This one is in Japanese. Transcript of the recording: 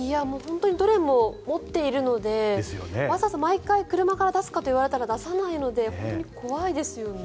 どれも持っているのでわざわざ毎回車から出すかといわれると出さないので、本当に怖いですよね。